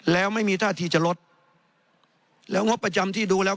แล้วไม่มีท่าที่จะลดแล้วงบประจำที่ดูแล้ว